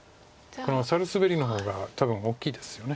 サルスベリの方が多分大きいですよね。